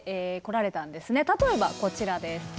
例えばこちらです。